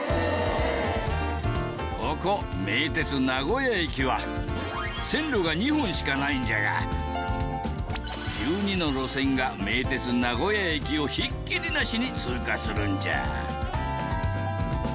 ここ名鉄名古屋駅は線路が２本しかないんじゃが１２の路線が名鉄名古屋駅をひっきりなしに通過するんじゃ。